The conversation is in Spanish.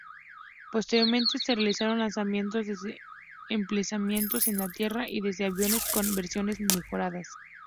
Posteriormente se realizaron lanzamientos desde emplazamientos en tierra y desde aviones con versiones mejoradas.